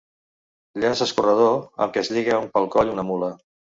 Llaç escorredor amb què es lliga pel coll una mula.